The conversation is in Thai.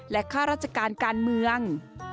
ข้าราชการการเมือง